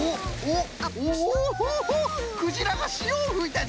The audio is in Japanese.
おっ！